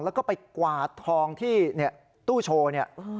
แล้วก็ไปกวาดทองที่ตู้โชว์เนี่ย